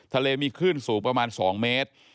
ทะเลมีคลื่นสูงประมาณ๒เมตร